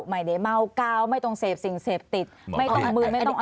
ไม่ได้เมากาวไม่ต้องเสพสิ่งเสพติดไม่ต้องมือไม่ต้องเอา